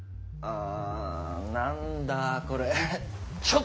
ああ何だこれェ。